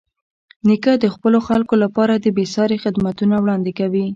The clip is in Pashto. نیکه د خپلو خلکو لپاره بېساري خدمتونه وړاندې کوي.